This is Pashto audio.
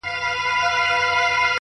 • کرونا راغلې پر انسانانو,